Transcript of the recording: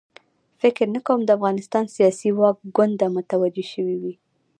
فکر نه کوم د افغانستان سیاسي واک کونډه متوجه شوې وي.